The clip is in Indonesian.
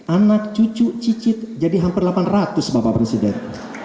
anak cucu cicit jadi hampir delapan ratus bapak presiden